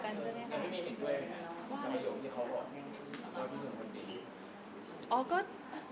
น่าจะเป็นแบบนั้นนะครับ